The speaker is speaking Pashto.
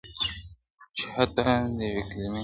چي حتی د یوې کلمې -